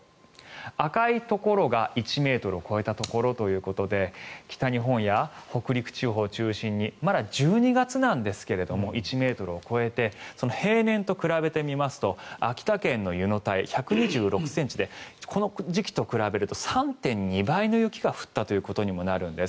赤いところが１ｍを超えたところということで北日本や北陸地方を中心にまだ１２月なんですが１ｍを超えて平年と比べてみますと秋田県の湯の岱、１２６ｃｍでこの時期と比べると３．２倍の雪が降ったということになるんです。